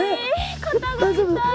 肩が痛い！